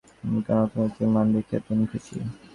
আমেরিকার অর্থনৈতিক মান দেখিয়া তিনি খুশী।